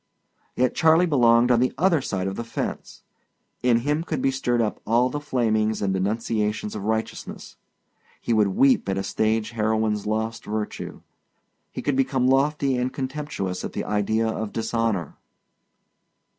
Yet Charley belonged on the other side of the fence. In him could be stirred up all the flamings and denunciations of righteousness; he would weep at a stage heroine's lost virtue, he could become lofty and contemptuous at the idea of dishonor.